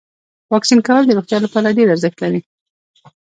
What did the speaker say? واکسین کول د روغتیا لپاره ډیر ارزښت لري.